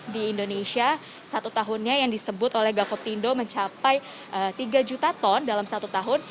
di indonesia satu tahunnya yang disebut oleh gakoptindo mencapai tiga juta ton dalam satu tahun